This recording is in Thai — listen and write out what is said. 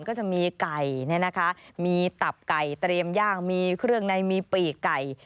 ก็จะมีไก่มีตับไก่เตรียมย่างมีเครื่องในมีปีกไก่